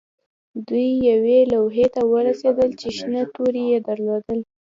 دوی یوې لوحې ته ورسیدل چې شنه توري یې درلودل